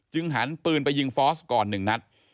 หันปืนไปยิงฟอสก่อน๑นัด